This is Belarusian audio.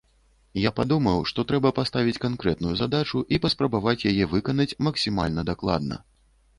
Я падумаў, што трэба паставіць канкрэтную задачу і паспрабаваць яе выканаць максімальна дакладна.